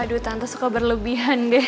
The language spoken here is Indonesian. aduh tante suka berlebihan deh